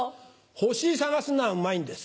ホシ捜すのはうまいんです。